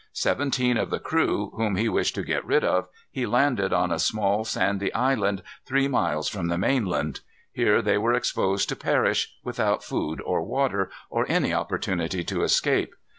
Seventeen of the crew, whom he wished to get rid of, he landed on a small, sandy island three miles from the mainland. Here they were exposed to perish, without food or water, or any opportunity to escape.